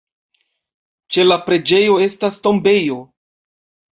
Ĉe la preĝejo estas tombejo.